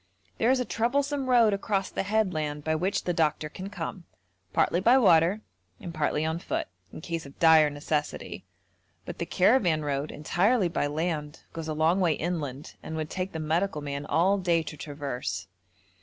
There is a troublesome road across the headland by which the doctor can come, partly by water and partly on foot, in case of dire necessity, but the caravan road, entirely by land, goes a long way inland, and would take the medical man all day to traverse.